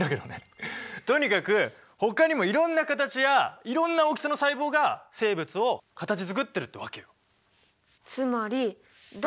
とにかくほかにもいろんな形やいろんな大きさの細胞が生物を形づくってるってわけよ。